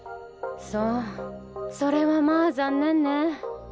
そうそれはまあ残念ね。